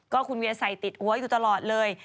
ก็คุณเวียใส่ติดหัวอยู่ตลอดเลย